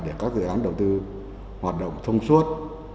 để các dự án đầu tư hoạt động thông suốt